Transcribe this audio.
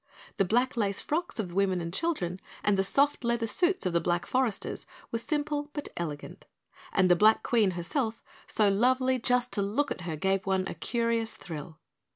The black lace frocks of the women and children and the soft leather suits of the black foresters were simple but elegant, and the Black Queen herself, so lovely just to look at her gave one a curious thrill.